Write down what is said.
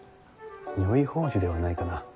如意宝珠ではないかな。